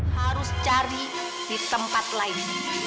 harus cari di tempat lain